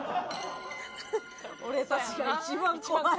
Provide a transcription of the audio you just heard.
「俺たちが一番怖い」。